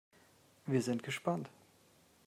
Wir sind gespannt.